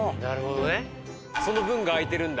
その分が開いてるんだ。